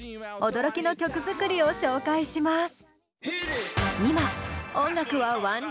驚きの曲作りを紹介します！